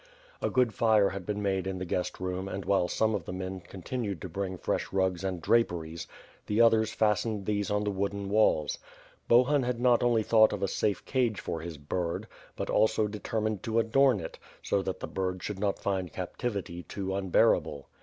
A good fire had been made in the guest room and while some of the men continued to bring fresh rugs and draperies, the others fastened these on the wooden walls. Bohun had not only thought of a safe cage for his bird, but also determined to adorn it, so that the bird should not find captivity too unbearable.